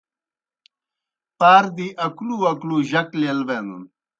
پار دی اکلُو اکلُو جک لیل بینَن۔